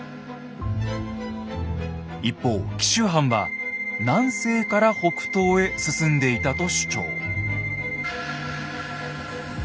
一方紀州藩は南西から北東へ進んでいたと主張。